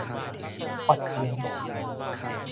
髮僧